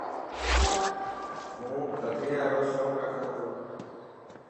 مون ٻڪريان رو شونق رکا تو.